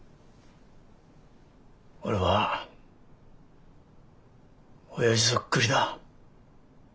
俺はオヤジそっくりだ。